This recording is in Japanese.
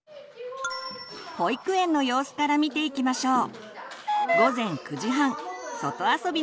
保育園の様子から見ていきましょう。